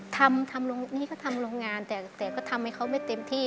ทำทำลงงานแต่ทำให้เขาไม่เต็มที่